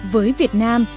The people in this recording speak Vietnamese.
với việt nam